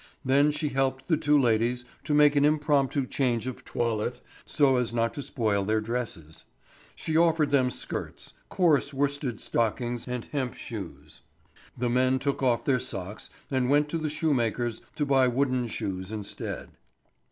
Then she helped the two ladies to make an impromptu change of toilet, so as not to spoil their dresses. She offered them skirts, coarse worsted stockings and hemp shoes. The men took off their socks and went to the shoemaker's to buy wooden shoes instead.